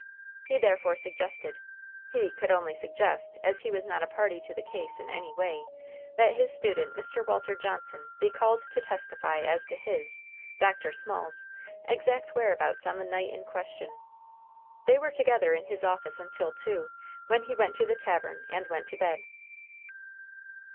He therefore suggested he could only suggest, as he was not a party to the case in any way that his student, Mr. Walter Johnson, be called to testify as to his Dr. Small's exact whereabouts on the night in question. They were together in his office until two, when he went to the tavern and went to bed.